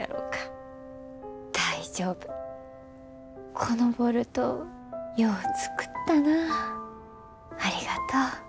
「このボルトよう作ったなありがとう」。